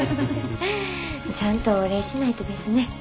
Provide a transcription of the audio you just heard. ちゃんとお礼しないとですね。